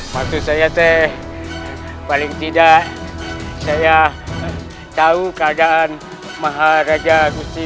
maksud saya teh paling tidak saya tahu keadaan maharaja gusti